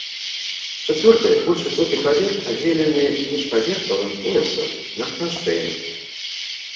Чацвёрты, больш высокі паверх, аддзелены міжпаверхавым поясам на кранштэйнах.